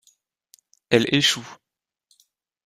Elle échoue.